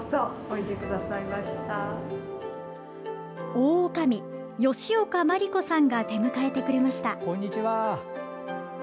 大おかみ、吉岡鞠子さんが出迎えてくれました。